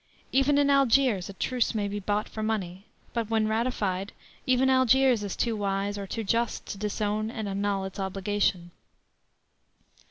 Even in Algiers a truce may be bought for money, but, when ratified, even Algiers is too wise or too just to disown and annul its obligation."